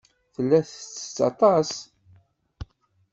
Tella tettett aṭas.